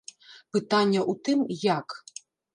Пытанне ў тым, як.